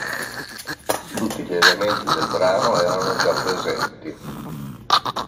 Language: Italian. Tutti gli elementi del brano erano già presenti.